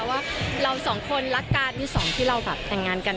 ว่าเราสองคนรักกันมีสองที่เราแบบแต่งงานกัน